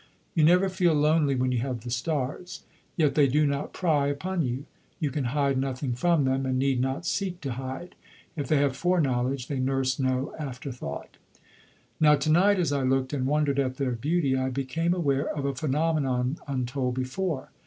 You never feel lonely when you have the stars; yet they do not pry upon you. You can hide nothing from them, and need not seek to hide. If they have foreknowledge, they nurse no after thought. Now, to night, as I looked and wondered at their beauty, I became aware of a phenomenon untold before.